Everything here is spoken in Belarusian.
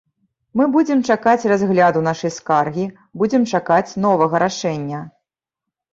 Мы будзем чакаць разгляду нашай скаргі, будзем чакаць новага рашэння.